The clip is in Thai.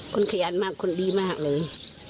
คุณขยันมากคนดีมากเลย